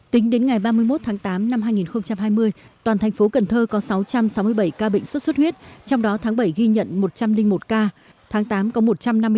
tính đến ngày ba mươi một tháng tám năm hai nghìn hai mươi toàn thành phố cần thơ có sáu trăm sáu mươi bảy ca bệnh sốt xuất huyết trong đó tháng bảy ghi nhận một trăm linh một ca tháng tám có một trăm năm mươi ca